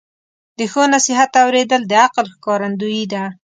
د ښو نصیحت اوریدل د عقل ښکارندویي ده.